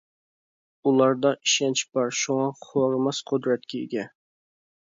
ئۇلاردا ئىشەنچ بار شۇڭا خورىماس قۇدرەتكە ئىگە.